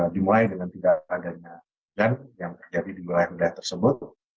dimulai dengan tidak adanya hujan yang terjadi di wilayah wilayah tersebut